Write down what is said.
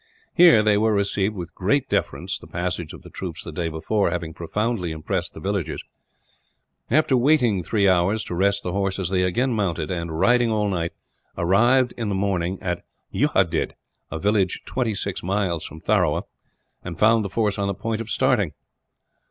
Here they were received with great deference, the passage of the troops the day before having profoundly impressed the villagers. After waiting three hours to rest the horses, they again mounted and, riding all night, arrived in the morning at Yuadit a village twenty six miles from Tharawa and found the force on the point of starting.